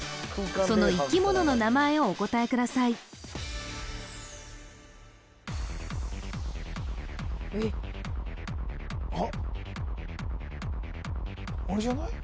その生き物の名前をお答えください・えっあっあれじゃない？